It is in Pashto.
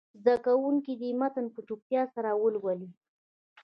زده کوونکي دې متن په چوپتیا سره ولولي.